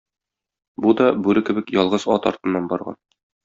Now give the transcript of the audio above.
Бу да, бүре кебек, ялгыз ат артыннан барган.